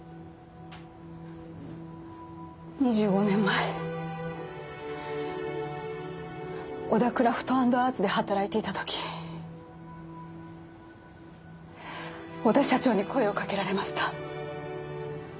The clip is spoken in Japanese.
２５年前小田クラフト＆アーツで働いていた時小田社長に声をかけられました。